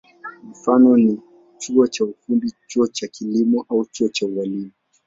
Mifano ni chuo cha ufundi, chuo cha kilimo au chuo cha ualimu.